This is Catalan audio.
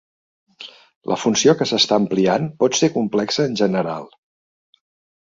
La funció que s'està ampliant pot ser complexa en general.